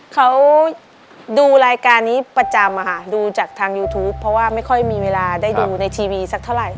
เขาดูรายการนี้ประจำอะค่ะดูจากทางยูทูปเพราะว่าไม่ค่อยมีเวลาได้ดูในทีวีสักเท่าไหร่